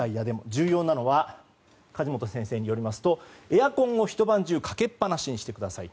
重要なのは梶本先生によるとエアコンを一晩中かけっぱなしにしてください。